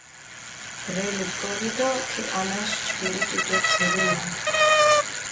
ბრელი ბგორი დო ქიჸანას ჯგირი ჭიჭე ბძირი მა!